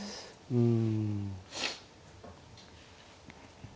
うん。